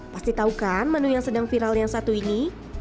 pasti tahu kan menu yang sedang viral yang satu ini